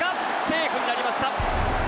セーフになりました。